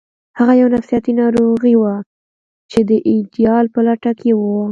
هغه یو نفسیاتي ناروغ و چې د ایډیال په لټه کې و